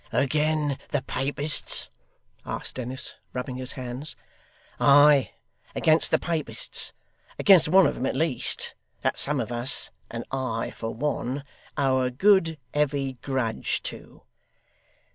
'Again the Papists?' asked Dennis, rubbing his hands. 'Ay, against the Papists against one of 'em at least, that some of us, and I for one, owe a good heavy grudge to.